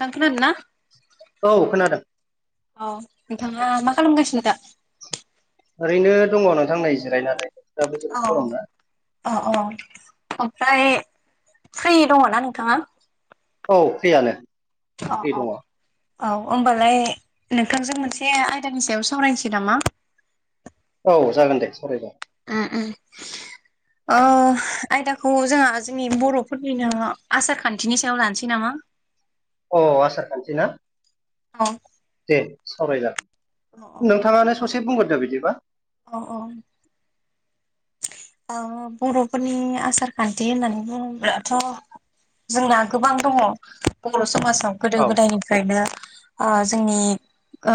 थां खोनादोंना? औ खोनादों औ‌ नोंथां मा माखालामगासिनो दा? ओरैनो दङ नोंथां नै जिरायनानै बोथोराबो जोबोद औ गरम ना अ अ ओमफ्राय फ्रि दङना नोंथाङा? औ फ्रियानो। अ फ्रि दङ अ औ होमबालाय नोंथांजों मोनसे आयदानि सायाव सावरायनोसै नामा? औ जागोन दे सरायजागोन उम उम ओ आयदाखौ जोंहा जोंनि बर'फोरनिनो आसार खान्थिनि सायाव लानोसै नामा? [inaudible] अ आसारखान्थि ना? औ दे औ सावरायजागोन। नोंथाङानो ससे बुंग्रोदो बिदिबा औ औ ओ बर'फोरनि आसारखान्थि होननानै बुङोबाथ' जोंना गोबां दङ बर' समाजाव गोदो औ गोदायनिफ्रायनो ओ जोंनि ओ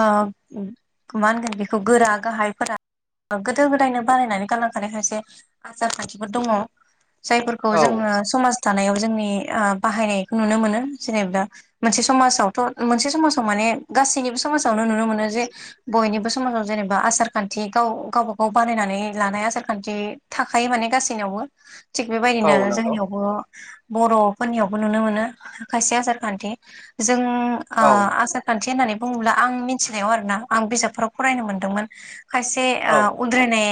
मा होनगोन बेखौ गोरा गाहायफोरा गोदो गोदायनो बानायनानै गालांखानाय खायसे आसारखान्थिफोर दङ जायफोरखौ औ जोङो समाज जानायाव जोंनि ओ बाहायनायखौ नुनो मोनो जेनेबा मोनसे समाजावथ' मोनसे समाजाव माने गासैनिबो समाजावनो नुनो मोनो जे बयनिबो समाजाव जेनेबा आसार खान्थि गाव गावब गाव बा नायनानै लानाय आसारखान्थि थाखायो माने गासैनयावबो थिग औ बेबायदिनो नंगौ जोंनियावबो बर'फोरनियावबो नुनो मोनो खायसे आसार खान्थि जों ओ औ आसार खान्थि होननानै बुङोब्ला आं मिथिनायाव आरोोना आं बिजाबफोराव फरायनो मोनदोंमोन खायसे औ उद्रायनाय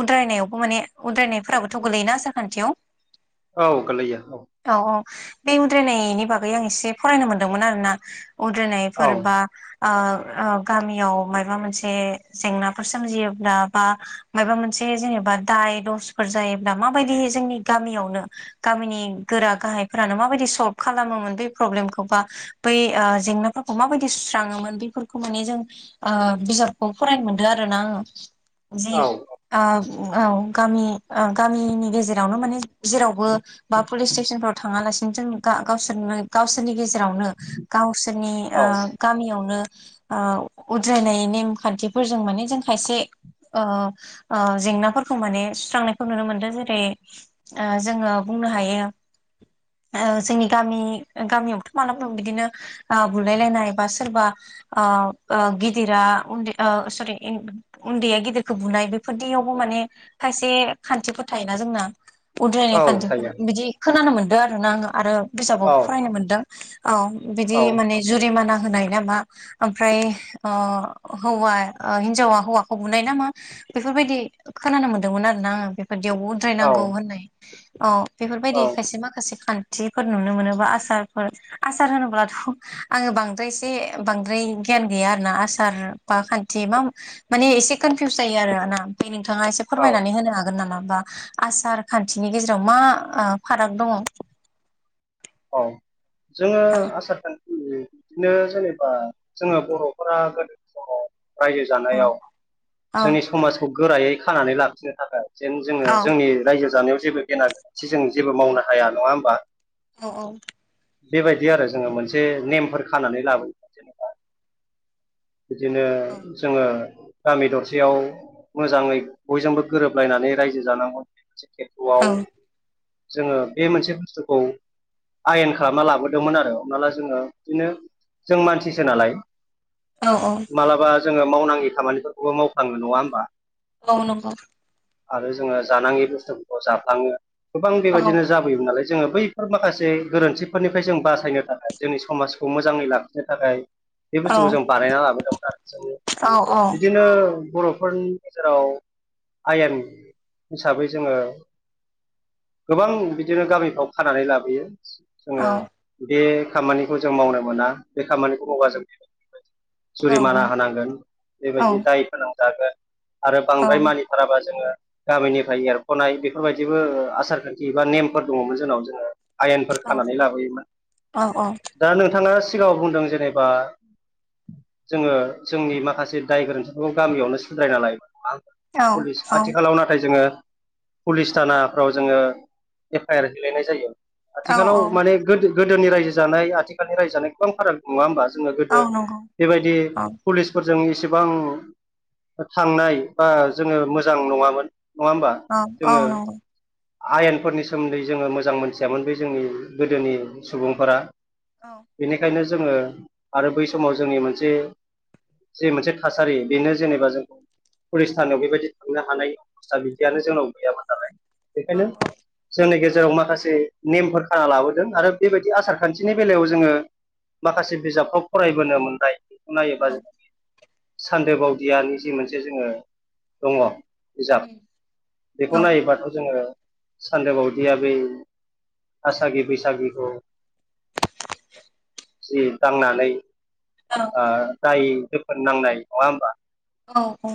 उद्रायनायावबो माने उद्रायनायफोराबोथ' गोलैयोना आसारखान्थियाव औ गलैया औ बे उद्रायनायनि बागै आं एसे फरायनो मोनदोंमोन आरो ना औ उद्रायनायफोर बा गामियाव माबा मोनसे जेंनाफोर सोमजियोब्ला बा माबा मोनसे जे जेनेबा दाय दसफोर जायोब्ला माबायदि जोंनि गामियावनो गामिनि गोरा गाहायफोरानो माबायदि खालामोन बब्लेमखौ बा बै जेंनाफोरखौ म बायदि सुस्राङोमोन बे माने जों बिजाबखौ फरायनो मोनदों आरोोना आङो जि औ औ गामि गामिनि गेजेरावनो माने जेरावबो बा पुलिस स्टेसनफ्राव थाङालासिनो जों गावसोरनो गावसोरनि गेजेरावनो गावसोरनि औ गामियावनो उद्रायनाय नेम खान्थिफोरजों माने जों खायसे ओ ओ जेंनाफोरखै खौ माने सुस्रांनायखौ नुनो मोनदों जेरै जोङो बुंनो हायो जोंनि गामि गामियावथ' मालाबङ बिदिनो बुलायलायनाय बा सोरबा गिदिरा उन्दै सरि उन्दैया गिदिरखौ बुनाय बेफोरदियावबो माने खायसे खान्थिफोर थायोना जोंना औ उद्रायनाय खान्थिफोर थायो बिदि खोनानो मोन आरोना आङो आरो बिजाबाव औ फरायनो मोनदों औ बिदि औ मान जुरिमाना होनाय नामा ओमफ्राय हौवा हिन्जावा हौवाखौ बुनाय नामा बेफोरबायदि खोनानो मोनदोंमोन आरो ना आङो बेफोरदियावबो औ उद्रायनांगौ होननाय अ बेफोरबायदि औ खायसे माखासे फान थिफोर नुनो मोनोबा आसारफोर आसार होनोब्लाथ' आङो बांद्रायसे बांद्राय गिय गैया आरो ना आसार बा खान्थि मा माने एसे कनफिउस जायो आरो नोंथाङा एसे औ फोरमायनानै होनोागोन नामाोमबा? आसार खान्थिनि गेजेराव मा फाराग दङ । औ जोङो आसाार खान्थि बिदिनो जेनेबा जोङो बर'फोरा गोदोनि समाव रायजो जानायाव औ जोंनि समाजखौ गोरायै खानानै लाखिनो थाखाय जेन जोङो औ जोंनि रायजो जानायाव जेबो गेना खथि जों जेबो मावनो हाया नङा होमबा औ औ । बेबायदि आरो जोङो मोनसे नेमफोर खानानै लाबोयोमोन जेनेबा बिदिनो जोङो गामि दरसेयाव मोजाङै बयजोंबो गोरोबलायनानै रायजो जानांगौ ाखसे औ खेथ्रआव जोङो बे मोनसे बुस्थुखौ आयेन खालामना लाबोदोंमोन आरो हमना ला जोङो बिदिनो जों मानसिसो नालाय औ औ मालाबा जोङो मावनांगि खामानिफोरखौबो मावफ्लाङो नङा होमबा औ नगौ । आरो जोङो जानाङि बुस्थुफोरखौ जाफ्लाङो गोबां औ बेबायदिनो जाबोयोमोन नालाय जोङो बैफोर माखासे गोरोन्थिफोरनिफ्राय जों बासायनो थाखाय जोंनि समाजखौ मोजाङै लाखिनो थाखाय बे औ बुस्थुखौ जों बानायना लाबोदोंमोन आरो जों औ बिदिनो बर'फोरनि गेजेराव आयेन हिसाबै जोङो गोबां बिदिनो गामिफ्राव फानानै लाबोयो औ जोङो बे खामानिखौ जों मावनो मोना बे खामानिखौ मावा जों बे जुरिमाना होनांगोन औ बेबायदि दाय फोनांजागोन । आरो बांद्राय औ मानिथाराबा जोङो गामिनिफ्राय एरख'नाय बेफोरबायदिबो आसार खान्थि ए बा नेमफोर दंङ मोन जोंनाव जोंङोनाव। आयेनफोर खानानै लाबोयोमोन दा नोंथांङा सिगांङाव बुंदों जेनेबा जोंङो जोंनि माखासे दाय गोरोन्थिफोरखौ गामियावनो सुद्रायना लायो । पुलिस आथिखालाव नाथाय जोंङो पुलिस थानाफ्राव जोङो एफ आइ आर हैलायनाय जायो । आथिखालाव औ माने गोदोनि रायजो जानाय आथिखालनि रायजो जानाय गोबां फाराग नङा होमबा? जोङो गोदो औ नंगौ। बेबायदि औ पुलिसफोर जों एसेबां थांनाय बा जोंङो मोजां नङामोन। नङा होमबा औ - औ जोङो नंगौ। आयेनफोरनि सोमोन्दै जोंङो मोजां मोनथियामोन बे जोंनि गोदोनि सुबुंफोरा। औ बेनिखायनो जोंङो आरो बै समाव जोंनि मोनसे जि मोनसे थासारि बेनो जेनेबा जों पुलिस थानायाव बेबायदि थांनो हानायनि अबस्था बिदियानो जोंनाव गैयामोन नालाय। औ बेखायनो औ जोंनि गेजेराव जेराव माखासे नेमफोर खाना लाबोदों आरो बेबायदि आसार खान्थिनि बेलायाव जोंङो माखासे बिजाबखौ फरायबोनो मोन नाय बेखौ नायोबा औ जों सान्दो बावदियानि जि मोनसे जोङो दङ। बिजाब औ बेखौ नायोबाथ' जोङो सानदोबावदिया बै आसागि बैसागिखौ जि दांनानै जाय दाय दोफोन नांनाय नङा होमबा। औ- औ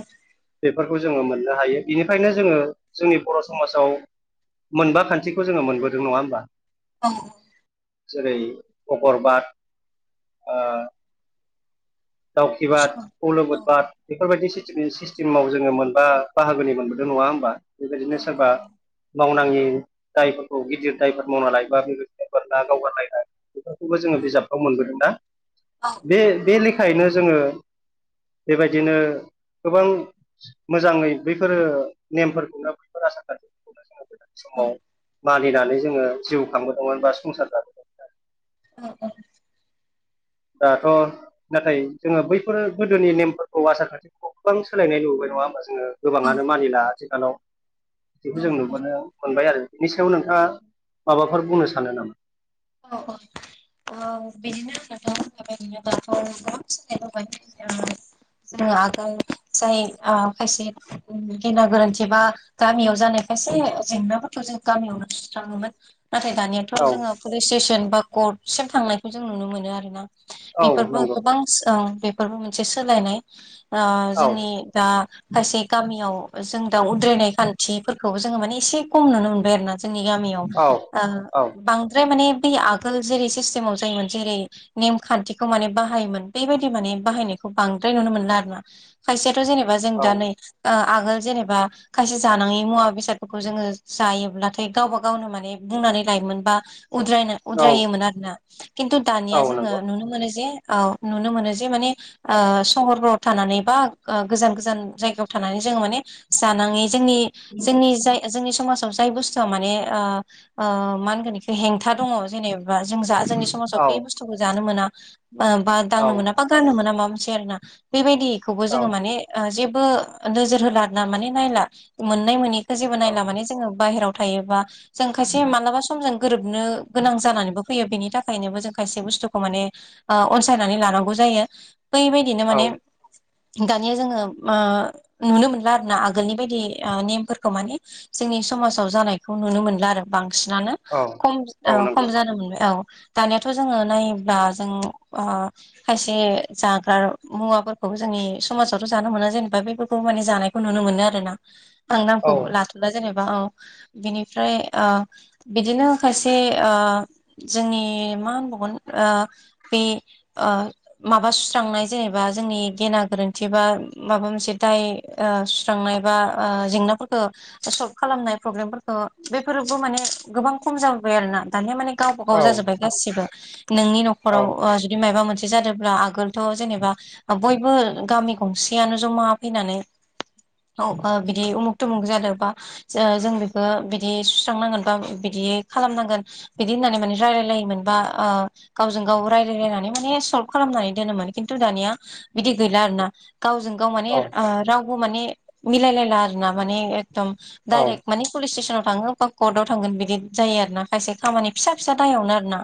बेफोरखौ जोंङो मोननो हायो बिनिखायनो जोंङो जोंनि बर' समाजाव मोनबा खान्थिखौ जोङो मोनबोदों नङा होमबा। औ जेरै अगरबाद दावखि बाद खौलोबोद बाद बेफोरबायदि सिस्टेमाव जोंङो मोनबा बाहागोनि मोनबोदों नङा होमबा? बेबायदिनो औ- औ सोरबा मावनाङि दायफोरखौ गिदिर दायफोरखौ मावना लायोबा बेबायदिनो बोरला गावगारलायनाय। बेखौबो जोंङो बिजाबखौ मोनबोदों दा बे लेखायैनो जोंङो। [inaudible] बेबायदिनो गोबां मोजाङै बैफोरो नेमफोरखौनो बैफोर आसार खान्थिफोरखौनो जोङो गोदान समाव मानिनानै जोंङो जिउ खांबोदोंमोन बा संसार जाबोदोंमोन आरो। [unintelligible] दाथ' नाथाय जोङो बैफोर गोदोनि नेमफोरखौ आसार खान्थिफोरखौ गोबां सोलायनाय नुबोबाय। नङा होमबा जोंङो गोबाङानो मानिला आथिखालाव। [inaudible] बेखौ जों नुबोनो मोनबाय आरो बिनि सायाव नोंथांङा माबाफोर बुंनो सानो नामा? औ - औ औ बिदिनो [unintelligible] [unintelligible] जोङो आगोल जाय खायसे गेना गोरोन्थि बा गामियाव जानाय एसे जेंनाफोरखौ जों गामियावनो सुस्राङोमोन। नाथाय दानियाथ' औ जोंङो पुलिस स्टेसन बा कर्ट सिम थांनायखौ जों नुनो मोनो आरोना औ बेफोरबो नंगौ गोबां ओ बेफोरबो मोनसे सोलायनाय। ओ औ जोंनि दा खायसे गामियाव जों दा उद्रायनाय खान्थिफोरखौबो जोङो माने एसे खम नुनो मोनबाय आरोना। जोंनि गामियाव औ ओ औ बां सिन माने बे आगोल जेरै सिस्टेमाव जों मोनसे जेरै नेम खान्थिखौ माने बाहायोमोन बेबायदि माने बाहायनायखौ बांद्राय नुनो मोनला आरोना। खायसेयाथ' जेनेबा जों औ दा नै आगोल जेनेबा खायसे जानाङि मुवा बेसादफोरखौ जोङो जायोब्लाथाय गावबा गावनो माने बुंना लायोमोन बा उद्रायनो औ उद्रायोमोन आरोना। खिन्थु दानिया औ जोङो नंगौ नुनो मोनो जे औ नुनो मोनो जे माने ओ सहरफोराव थानानै बा गोजान गोजान जायगायाव थानानै जों माने जानाङै जोंनि जोंनि जाय जोंनि समाजाव जाय बुस्थुआ माने ओ ओ मा होनगोन इखौ हेंथा दङ' जेनेबा जों जा जोंनि समाजाव औ बे बुस्थुखौ जानो मोना बा बा औ दांनो मोना बा गाननो मोना माबा मोनसे आरोना। बेबायदिखौबो औ जोङो माने ओ जेब ओ नोजोर होबा आरोना माने नायला मोननाय मोनैखौ जेबो औ नायला माने जोङो बायहेराव थायोबा जों खायसे मानोबा समजों गोरोबनो गोनां जानानैबो फैयो बेनि थाखायनोबो जों खायसे बुस्थुखौ माने ओ अनसायनानै लानांगौ जा यो बैबायदिनो माने औ दानिया जोङो ओ नुनो मोनला आरोना आगोलनि बायदि नेमफोरखौ माने जों नि समाजाव जानायखौ नुनो मोनला आरो बांसिनानो औ खम ओ औ खम नंगौ जानो मोनबाय औ। दानियाथ' जोङो नायोब्ला जों ओ खायसे जाग्रा मुवाफोरखौ जोंनि समाजावथ' जानो मोना जेनेबा बेफोरखौ माने जानायखौ नुनो मोनो आरोना। आं औ नामखौ लाथ'ला जेनेबा औ बिनिफ्राय ओ बिदिनो खायसे ओ जोंनि मा होनबावगोन ओ बि ओ माबा सुस्रांनाय जेनेबा जोंनि गेना गोरोन्थि बा माबा मोनसे दाय ओ सुस्रांनाय बा ओ जेंनाफोरखौ सल्भ खालामनाय प्रबलेमफोरखौ बैफोरबो माने गोबां खम जाबोबाय आरोना। दानिया माने गावबा औ गाव जाजोब्बाय गासिबो नोंनि औ न'खराव ओ जुदि मायबा मोनसे जादोब्ला आगोलथ' जेनेबा बयबो गामि गंसेयानो जमा फैनानै [unintelligible] बिदि उमुख थुमुग जादों बा जो जों बेखौ बिदि सुस्रांनांगोन बा बि दि खालामनांगोन बिदि होननानै माने रायलायलायोमोन बा ओ गावजों गाव रायलाय लायनानै माने सल्भ खालामनानै दोनोमोन, खिन्थु दानिया बिदि गैला आरोना। गावजों गाव माने औ ओ रावबो माने मिलायलायला आरोना माने एख दुम औ डाइरेक्ट माने पुलिस स्टेसनाव थाङो बा कर्टआव थांगोन बिदि जायो आरो ना खायसे खामानि फिसा फिसा दायावनो आरोना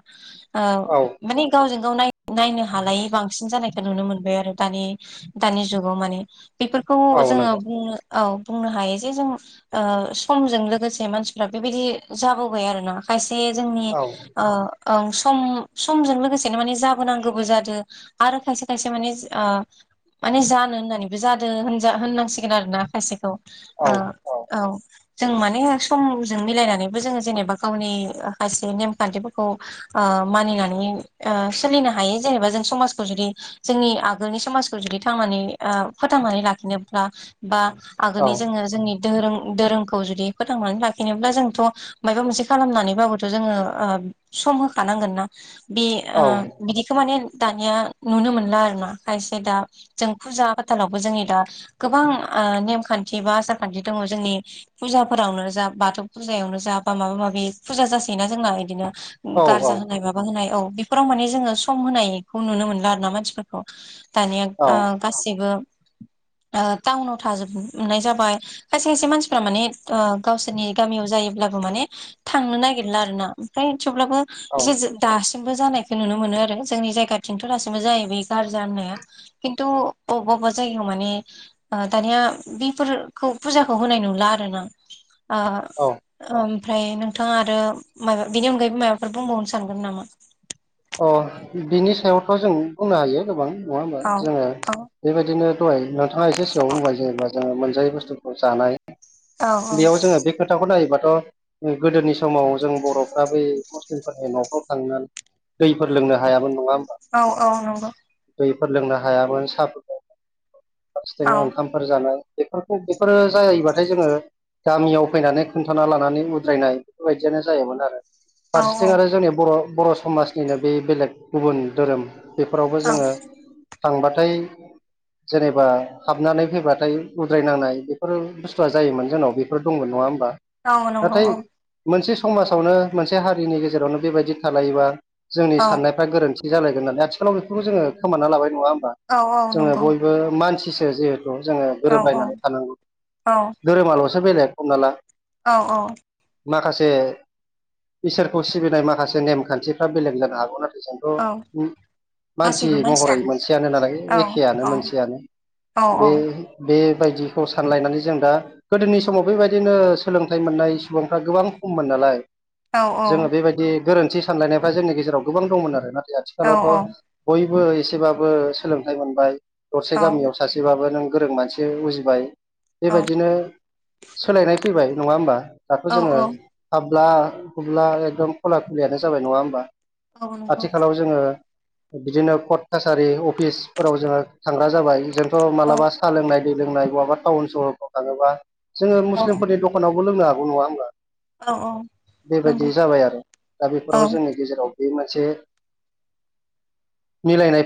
ओ औ माने गावजों गाव नाय नायनो हालायै बांसिन जानायखौ नुनो मोनबाय आरो, दानि दानि जुगाव माने। बेफोरखौ औ जोङो नंगौ बुंनो औ बुंनो हायो जे जों ओ समजों लोगोसे मानसिफ्रा बेबायदि जाबो बाय आरोना खायसे जोंनि औ ओं सम समजों लोगोसेनो माने जाबोनांगौबो जादो आरो खायसे खायसे माने आ माने जानो होननानैबो जादो होनजा होननांसिगोन आरोना खायसेखौ। औ औ जों माने समजों मिलायनानैबो जोङो जेने बा गावनि खायसे नेम खान्थिफोरखौ ओ मानिनानै ओ सोलिनो हायो जेनेबा जों समाजखौ जुदि जोंनि आगोलनि समाजखौ जुदि थांनानै ओ फोथांनानै लाखिनोब्ला बा औ आगोलनि जोङो जोंनि दोरों दोरोंखौ जुदि फोथांनानै लाखिनोब्ला जोंथ' मायबा मोनसे खालामनानैबाबोथ' जोङो ओ सम होखानांगोन ना। बे ओ औ बिदिखौ माने दानिया नुनो मोनला आरोना। खायसे दा जों फुजा फाथालावबो जोंनि दा गोबां ओ नेमखान्थि बा आसार खान्थि दङ' जोंनि फुजाफोरावनो जा बाथौ फुजायावनो जा बा माबा माबि फुजा जासोयोना जोंना इदिनो गार्जा होनाय माबा होनाय औ। बेफोराव माने जोङो सम होनायखौ नुनो मोनला आरोना मानसिफोरखौ। दानिया ओ औ गासैबो [inaudible] ओ टाउनाव थाजोब नाय जाबाय खायसे खायसे मानसिफ्रा माने ओ गावसोरनि गामियाव जायोब्ला माने थांनो नागिरला आरोना ओमफ्राय थेवब्लाबो औ एसे एसे दास् सिमबो जानायखौ नुनो मोनो आरो, जोंनि जायगाथिंथ' दासिमबो जायो बे गारजा होननाया। खिन्थु अब्बा अबबा जायगायाव माने ओ दानिया बेफोरखौ फुजाखौ होनाय नुला आरो ना। ओ ओमफ्राय नोंथाङा आरो माबा बिनि अनगायैबो माबाफोर बुंबावनो सानगोन नामा? अ बिनि सायावथ' जों बुंनो हायो गोबां। नङा होमबा औ जोङो बेबायदिनो दहाय नोंथाङा एसे सिगाङाव बुंबाय जेनेबा जोङो मोन जायै बुस्थुखौ जानाय औ बेयाव जोङो बे खोथाखौ नायोबाथ' गोदोनि समाव जों बर'फ्रा बै मुस्लिमफोरनि न'फ्राव थांनानै दैफोर लोंनो हायामोन नङा होमबा औ औ नंगौ दै फोर लोंनो हायामोन साह फोरखौ औ फारसेथिंनो ओंखामफोर जानाय बेफोरखौ बेफोरो जायोबाथाय जोङो गामियाव फैनानै खोन्थाना लानानै उद्रायनाय बेफोरबायदियानो जायोमोन आरो। फारसेथिं औ आरो जोंनि बर' बर' समाजनिनो बे बेलेग गुबुन धोरोम बेफोरावबो जोङो थांबाथाय जेनेबा हाबनानै फैबाथाय उद्रायनांनाय बेफोर बुस्थुआ जायोमोन जोंनाव बेफोर दंमोन नङा होमबा? औ नंगौ नाथाय औ मोनसे समाजावनो मोनसे हारिनि गेजेरावनो बेबायदि थालायोबा जोंनि औ साननायफ्रा गोरोन्थि जालायगोन होननानै आथिखालाव बेफोरखौ जोङो खोमाना लाबाय नङा होमबा? औ औ जोङो नंगौ बयबो मानसिसो जिहेतु तु जोङो औ गोरोबलायनानै थानांगौ औ धोरोमाल'सो बेलेग हमना ला। औ औ। माखासे इसोरखौ सिबिनाय माखासे नेमखान्थिफ्रा बेलेग जानो हागौ नाथाय औ जोंथ' मानसि गासैबो महरै मानसियानो मोनसेयानो नालाय औ एखेयानो औ मोनसेयानो औ बे बे बायदिखौ सानलायनानै जों दा गोदोनि समाव बेबायदिनो सोलोंथाइ मोननाय सुबुंफ्रा गोबां खममोन नालाय औ औ जोङो बेबायदि गोरोन्थि सानलायनायफ्रा जोंनि गेजेराव गोबां दंमोन आरोना। औ आथिखालावथ' बयबो एसेबाबो सोलोंथाइ मोनबाय दरसे गामियाव सासेबाबो नों गोरों मानसि उजिबाय। औ बेबायदिनो सोलायनाय फैबाय नङा होमबा दाथ' औ जोङो औ हाब ब्ला हुब्ला एकदम खुला खुलियानो जाबाय नङा होमबा नंगौ आथिखालाव जोङो बिदिनो कर्ट कासारि अफिसफोराव जोङो थांग्रा जाबाय जोंथ' औ मालाबा सालोंनाय दै लोंनाय बहाबा टाउन सहरफ्राव थाङोबा जोङो औ मुस्लिमफोरनि दखानावबो लोंनो हागौ नङा होमबा? औ औ नंगौ बेबायदि जाबाय आरो दा बेफोराव औ जोंनि औ बे मोनसे मिलायनाय